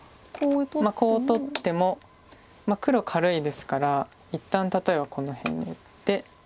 コウを取っても黒軽いですから一旦例えばこの辺に打って。